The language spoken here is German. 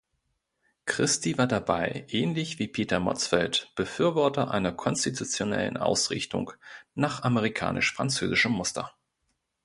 Christie war dabei, ähnlich wie Peter Motzfeldt, Befürworter einer konstitutionellen Ausrichtung nach amerikanisch-französischem Muster.